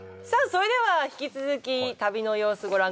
それでは引き続き旅の様子ご覧